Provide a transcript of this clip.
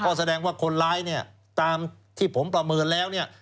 ก็แสดงว่าคนร้ายเนี่ยตามที่ผมประเมินแล้วเนี่ย